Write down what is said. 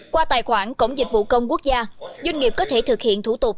qua tài khoản cổng dịch vụ công quốc gia doanh nghiệp có thể thực hiện thủ tục